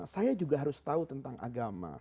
saya juga harus tahu tentang agama